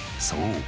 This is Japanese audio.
そう。